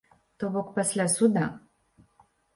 То бок пасля суда.